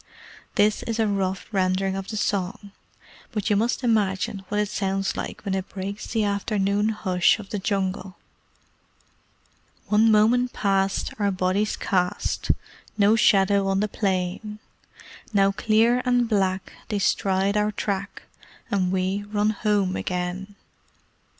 This is a rough rendering of the song, but you must imagine what it sounds like when it breaks the afternoon hush of the Jungle: One moment past our bodies cast No shadow on the plain; Now clear and black they stride our track, And we run home again.